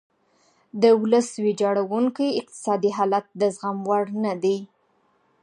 د ولس ویجاړیدونکی اقتصادي حالت د زغم وړ نه دی.